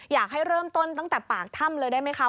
อยากให้เริ่มต้นตั้งแต่ปากถ้ำเลยได้ไหมคะ